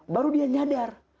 baru dia nyadar